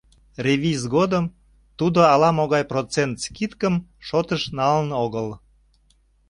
Ревиз годым, тудо ала-могай процент скидкым шотыш налын огыл.